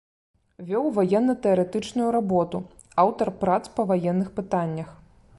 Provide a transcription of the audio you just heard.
Вёў ваенна-тэарэтычную работу, аўтар прац па ваенных пытаннях.